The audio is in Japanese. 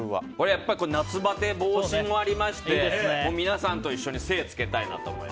やっぱり夏バテ防止もありまして皆さんと一緒に精をつけたいなと。